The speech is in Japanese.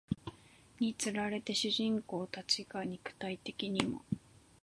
につれて主人公たちが肉体的にも